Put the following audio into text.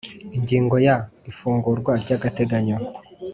Ingingo ya ifungurwa ry agateganyo